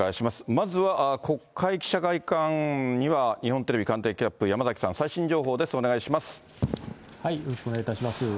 まずは国会記者会館には日本テレビ官邸キャップ、山崎さん、最新よろしくお願いいたします。